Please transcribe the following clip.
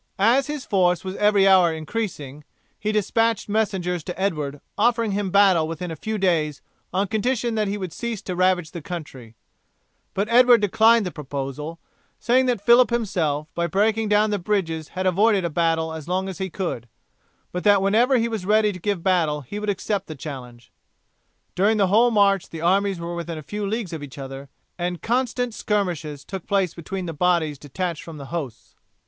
As his force was every hour increasing he despatched messengers to Edward offering him battle within a few days on condition that he would cease to ravage the country; but Edward declined the proposal, saying that Phillip himself by breaking down the bridges had avoided a battle as long as he could, but that whenever he was ready to give battle he would accept the challenge. During the whole march the armies were within a few leagues of each other, and constant skirmishes took place between bodies detached from the hosts.